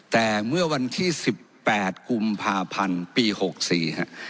แต่เมื่อวันที่๑๘กุมภาพันธ์ปี๖๔ฮะ